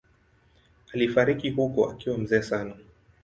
Alifariki huko akiwa mzee sana.